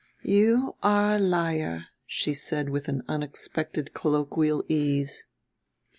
"You are a liar," she said with an unexpected colloquial ease.